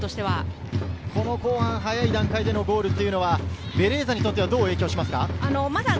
後半、早い段階でのゴールはベレーザにとってはどう影響しますか？